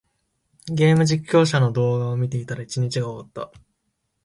ゲーム実況者の動画を見ていたら、一日が終わった。